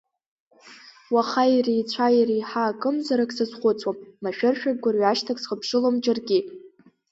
Уаха иреицәа-иреиҳа акымзарак сазхәыцуам, машәыршәагь гәырҩашьҭак схыԥшылом џьаргьы.